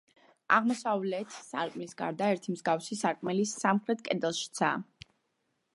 აღმოსავლეთ სარკმლის გარდა, ერთი მსგავსი სარკმელი სამხრეთ კედელშიცაა.